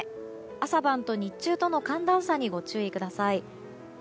朝晩と日中との寒暖差にご注意ください。